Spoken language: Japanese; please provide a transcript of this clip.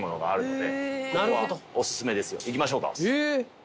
行きましょうか。